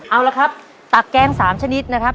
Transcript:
เอาละครับตักแกง๓ชนิดนะครับ